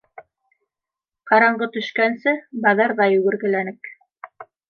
Ҡараңғы төшкәнсе баҙарҙа йүгергеләнек.